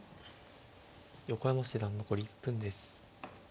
横山七段残り１分です。